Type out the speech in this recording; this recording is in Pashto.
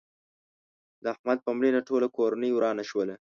د احمد په مړینه ټوله کورنۍ ورانه شوله.